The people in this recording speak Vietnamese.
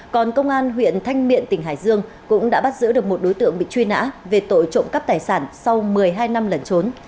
còn công an huyện thanh miện tỉnh hải dương cũng đã bắt giữ được một đối tượng bị truy nã về tội trộm cắp tài sản sau một mươi hai năm lẩn trốn